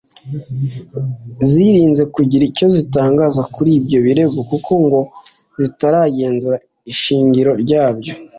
zirinze kugira icyo zitangaza kuri ibyo birego kuko ngo zitaragenzura ishingiro ryabyo